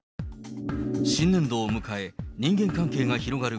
新年度を迎え、人間関係が広がる